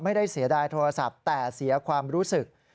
ไม่ได้เสียดายโทรศัพท์แต่เสียความรู้สึก